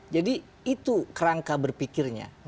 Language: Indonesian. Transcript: jadi itu kerangka berpikirnya